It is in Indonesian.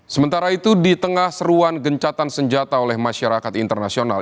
sementara itu di tengah seruan gencatan senjata oleh masyarakat internasional